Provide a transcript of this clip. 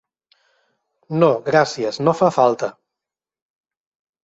No gràcies no fa falta.